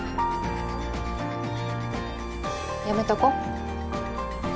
やめとこ。